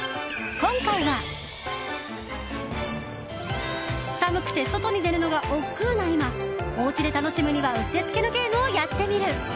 今回は、寒くて外に出るのがおっくうな今おうちで楽しむにはうってつけのゲームをやってみる。